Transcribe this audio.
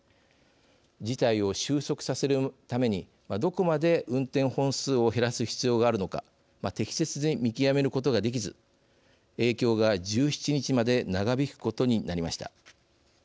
事態を収束させるためにどこまで運転本数を減らす必要があるのか適切に見極めることができず影響が１７日まで長引くことになりました。